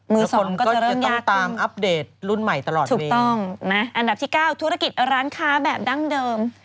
มือสองก็จะเริ่มยากขึ้นถูกต้องอันดับที่๙ธุรกิจร้านค้าแบบดั้งเดิม